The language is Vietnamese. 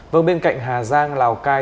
vâng bên cạnh hà giang lào cai